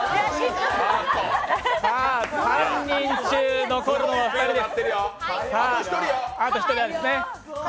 ３人中、残るのは２人です。